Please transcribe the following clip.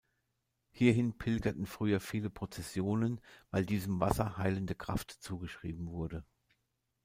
Hierhin pilgerten früher viele Prozessionen, weil diesem Wasser heilende Kraft zugeschrieben wurde.